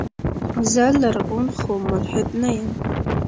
زه لرغون خو ملحد نه يم.